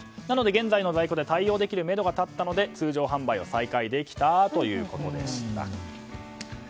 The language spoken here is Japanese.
なので現在の在庫で対応できるめどが立ったので通常販売を再開できたということでした。